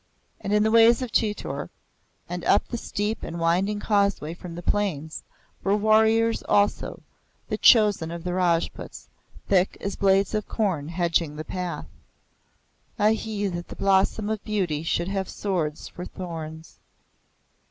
And in the ways of Chitor, and up the steep and winding causeway from the plains, were warriors also, the chosen of the Rajputs, thick as blades of corn hedging the path. (Ahi! that the blossom of beauty should have swords for thorns!)